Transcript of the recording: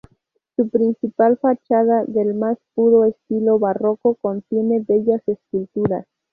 Su principal fachada, del más puro estilo barroco, contiene bellas esculturas.